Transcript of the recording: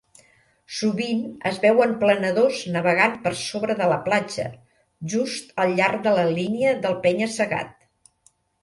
Sovint es veuen planadors navegant per sobre de la platja, just al llarg de la línia del penya-segat.